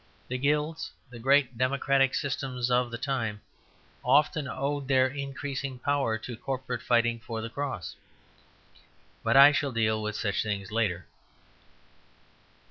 The Guilds, the great democratic systems of the time, often owed their increasing power to corporate fighting for the Cross; but I shall deal with such things later.